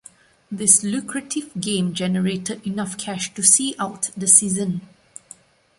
This lucrative game generated enough cash to see out the season.